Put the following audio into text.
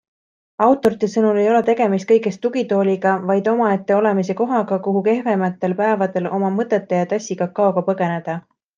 Autorite sõnul ei ole tegemist kõigest tugitooliga, vaid omaette olemise kohaga, kuhu kehvematel päevadel oma mõtete ja tassi kakaoga põgeneda.